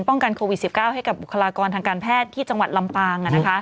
กันโควิด๑๙ให้กับบุคลากรทางการแพทย์ที่จังหวัดลำปาง